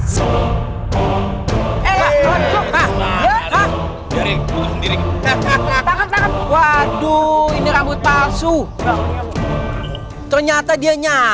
sampai jumpa di video selanjutnya